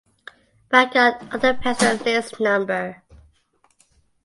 Bagot under pastoral lease no.